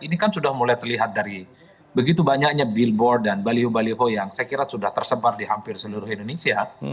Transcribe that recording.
ini kan sudah mulai terlihat dari begitu banyaknya billboard dan baliho baliho yang saya kira sudah tersebar di hampir seluruh indonesia